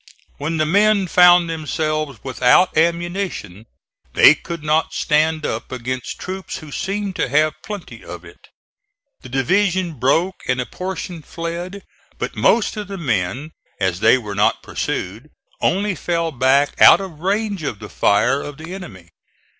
When the men found themselves without ammunition they could not stand up against troops who seemed to have plenty of it. The division broke and a portion fled, but most of the men, as they were not pursued, only fell back out of range of the fire of the enemy.